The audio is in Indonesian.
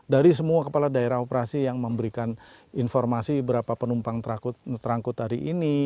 dari semua kepala daerah operasi yang memberikan informasi berapa penumpang terangkut hari ini